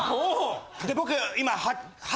僕今。